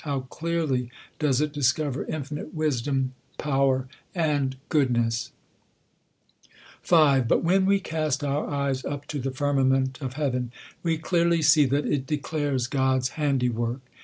How clearly does it discover infinite wisdom, power, and goodness ! 5. But when we cast our eyes up to the firmament of heaven, we clearly see that it declares God's handy work.